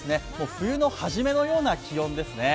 冬の初めのような気温ですね。